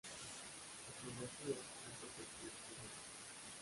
Fotografías antes de que cerrara